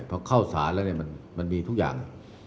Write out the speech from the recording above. พอเข้าสารแล้วมันมีทุกอย่าง